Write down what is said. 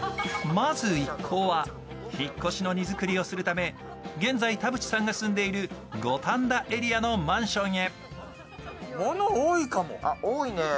まず一行は引っ越しの荷造りをするため現在、田渕さんが住んでいる五反田エリアのマンションへ。